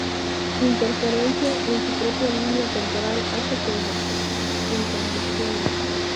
Su interferencia en su propia línea temporal hace que el Doctor caiga en convulsiones.